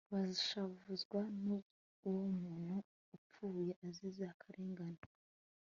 bashavuzwa n'uwo muntu upfuye azize akarengane